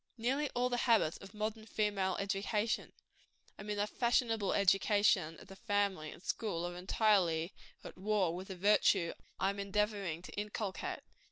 Nearly all the habits of modern female education I mean the fashionable education of the family and school are entirely at war with the virtue I am endeavoring to inculcate.